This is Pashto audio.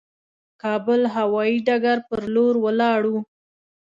کابل هوايي ډګر پر لور ولاړو.